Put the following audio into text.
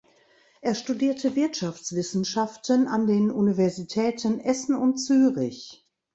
Er studierte Wirtschaftswissenschaften an den Universitäten Essen und Zürich.